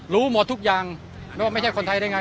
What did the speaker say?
รู้หมดทุกอย่างแล้วว่าไม่ใช่คนไทยได้ไง